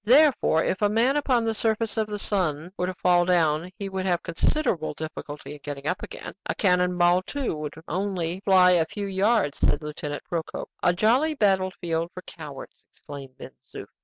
"Therefore, if a man upon the surface of the sun were to fall down, he would have considerable difficulty in getting up again. A cannon ball, too, would only fly a few yards," said Lieutenant Procope. "A jolly battle field for cowards!" exclaimed Ben Zoof.